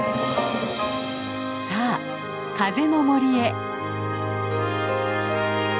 さあ風の森へ。